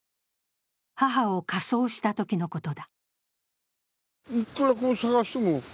母を火葬したときのことだ。